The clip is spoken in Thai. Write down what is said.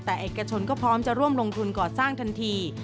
แต่เอกชนก็พร้อมจะร่วมลงทุนก่อสร้างทันที